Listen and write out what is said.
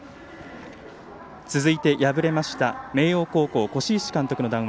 続いて、敗れました明桜高校、輿石監督の談話